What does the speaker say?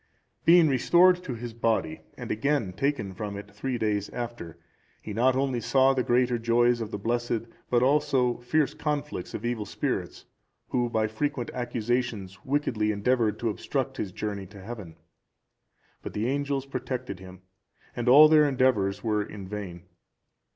(385) Being restored to his body, and again taken from it three days after, he not only saw the greater joys of the blessed, but also fierce conflicts of evil spirits, who by frequent accusations wickedly endeavoured to obstruct his journey to heaven; but the angels protected him, and all their endeavours were in vain.